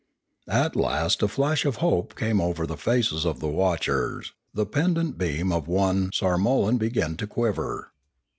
At last a flash of hope came over the faces of the watchers; the pendent beam of one sarmolan began to quiver.